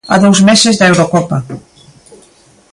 A dous meses da Eurocopa.